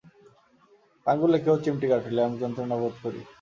আঙুলে কেহ চিমটি কাটিলে আমি যন্ত্রণা বোধ করি।